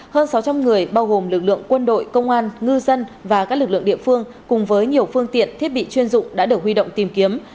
hơn sáu trăm linh người bao gồm lực lượng quân đội công an ngư dân và các lực lượng địa phương cùng với nhiều phương tiện thiết bị chuyên dụng đã được huy động tìm kiếm